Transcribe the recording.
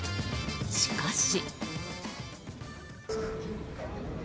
しかし。